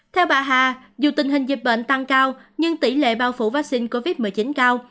theo bà hà dù tình hình dịch bệnh tăng cao nhưng tỷ lệ bao phủ vaccine covid một mươi chín cao